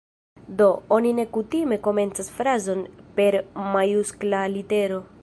Do, oni ne kutime komencas frazon per majuskla litero.